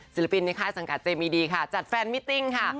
ศิลปินในค่ายสังกัดเจมีดีค่ะจัดแฟนมิติ้งค่ะ